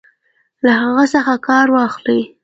له هغه څخه کار واخلي.